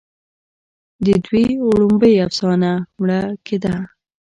د دوي وړومبۍ افسانه " مړه ګيډه